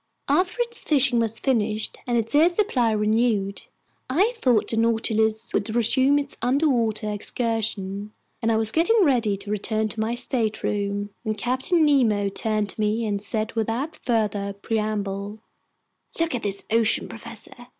After its fishing was finished and its air supply renewed, I thought the Nautilus would resume its underwater excursion, and I was getting ready to return to my stateroom, when Captain Nemo turned to me and said without further preamble: "Look at this ocean, professor!